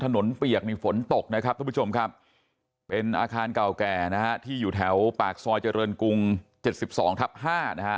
เปียกนี่ฝนตกนะครับทุกผู้ชมครับเป็นอาคารเก่าแก่นะฮะที่อยู่แถวปากซอยเจริญกรุง๗๒ทับ๕นะฮะ